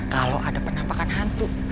kalo ada penampakan hantu